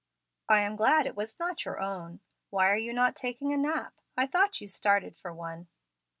"I am glad it was not your own. Why are you not taking a nap? I thought you started for one."